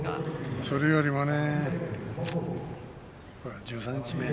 それよりも十三日目